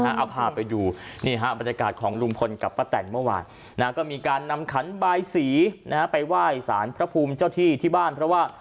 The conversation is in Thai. เอาพาไปดูบรรยากาศของลุงพลกับพระแต่นเมื่อวาน